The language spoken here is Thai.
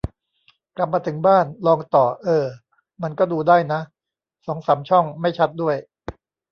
กลับมาถึงบ้าน ลองต่อ เออ มันก็ดูได้นะ สองสามช่อง ไม่ชัดด้วย